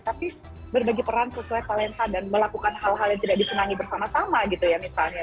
tapi berbagi peran sesuai talenta dan melakukan hal hal yang tidak disenangi bersama sama gitu ya misalnya